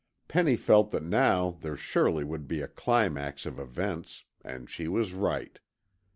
Penny felt that now there surely would be a climax of events, and she was right.